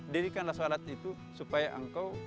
supaya engkau bisa berhubung dengan allah